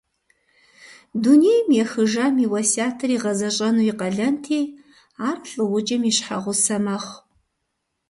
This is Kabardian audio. Дунейм ехыжам и уэсятыр игъэзэщӏэну и къалэнти, ар лӏыукӏым и щхьэгъусэ мэхъу.